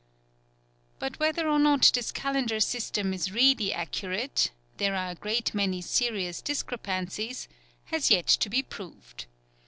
But whether or not this calendar system is really accurate (there are a great many serious discrepancies) has yet to be proved.